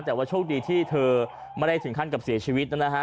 แต่ว่าโชคดีที่เธอไม่ได้ถึงขั้นกับเสียชีวิตนะฮะ